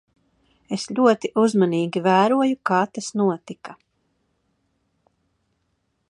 Es ļoti uzmanīgi vēroju, kā tas notika.